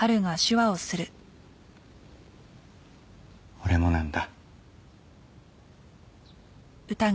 俺もなんだ。